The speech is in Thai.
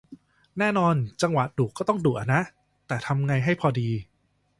แน่นอนว่าจังหวะดุก็ต้องดุอะนะ แต่ทำไงให้พอดี